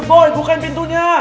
mr boy bukain pintunya